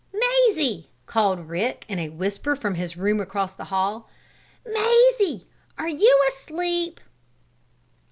"Mazie!" called Rick, in a whisper from his room across the hall. "Mazie are you asleep?"